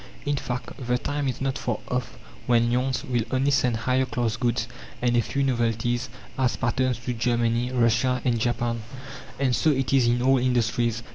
In fact, the time is not far off when Lyons will only send higher class goods and a few novelties as patterns to Germany, Russia and Japan. And so it is in all industries.